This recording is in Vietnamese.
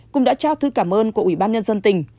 cũng đã trao thư cảm ơn của ubnd tỉnh